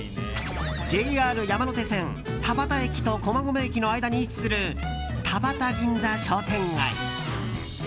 ＪＲ山手線、田端駅と駒込駅の間に位置する田端銀座商店街。